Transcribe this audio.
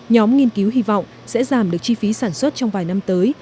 nhóm nghiên cứu hy vọng sẽ giảm được chi phí sản xuất trong vài năm tới